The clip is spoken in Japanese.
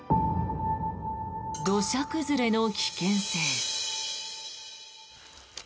土砂崩れの危険性。